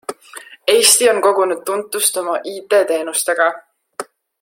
Eesti on kogunud tuntust oma IT teenustega.